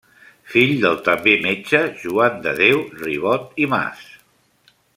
Fill del també metge Joan de Déu Ribot i Mas.